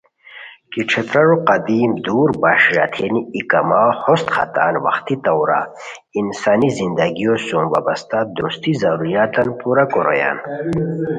کی ݯھترارو قدیم دُور بائے پݰ راتھینی ای کما ہوست ختان وختی طورا انسانی زندگیوسوم وابستہ درستی ضروریاتان پورا کورویان